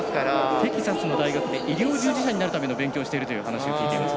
テキサスの大学で医療従事者になるための勉強をしているという話を聞いています。